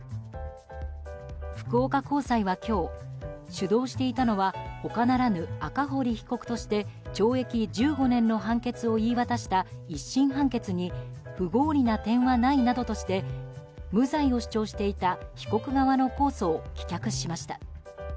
福岡高裁は今日主導していたのは他ならぬ赤堀被告として懲役１５年の判決を言い渡した１審判決に不合理な点はないなどとして無罪を主張していた被告側の控訴を棄却しました。